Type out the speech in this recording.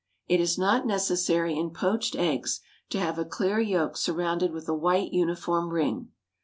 It is not necessary, in poached eggs, to have a clear yolk surrounded with a white uniform ring.